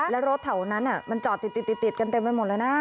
แล้วรถแถวนั้นมันจอดติดกันเต็มไปหมดเลยนะ